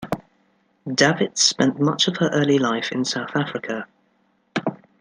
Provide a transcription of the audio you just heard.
Davidtz spent much of her early life in South Africa.